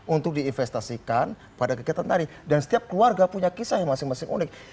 untuk diinvestasikan pada kegiatan tari dan setiap keluarga punya kisah yang masing masing unik